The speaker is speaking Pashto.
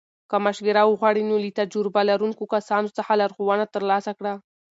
که مشوره وغواړې، نو له تجربه لرونکو کسانو څخه لارښوونه ترلاسه کړه.